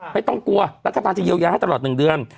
ไม่ต้องกลัวรัฐบาลจะเยียวยาให้ตลอด๑เดือน